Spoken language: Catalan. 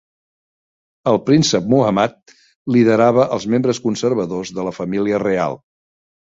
El Príncep Muhammad liderava els membres conservadors de la família real.